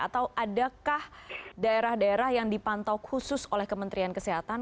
atau adakah daerah daerah yang dipantau khusus oleh kementerian kesehatan